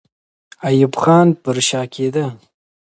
ایوب خان پر شا کېده.